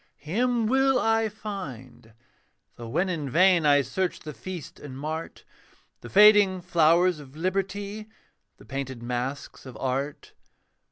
Him will I find: though when in vain I search the feast and mart, The fading flowers of liberty, The painted masks of art.